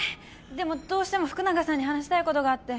でもどうしても福永さんに話したいことがあって。